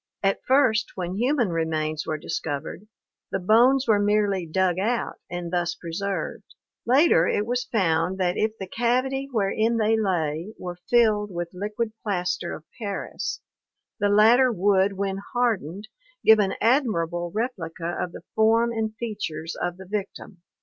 At first when human remains were discovered, the bones were merely dug out and thus preserved; later it was found that if the cavity wherein they lay were filled with liquid plaster of paris the latter would, when hardened, give an admirable replica of the form and features of the victim.